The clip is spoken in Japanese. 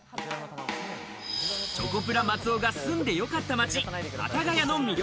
チョコプラ・松尾が住んでよかった街・幡ヶ谷の魅力